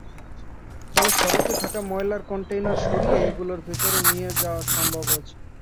ফলে সড়কে থাকা ময়লার কনটেইনার সরিয়ে এগুলোর ভেতরে নিয়ে যাওয়া সম্ভব হয়েছে।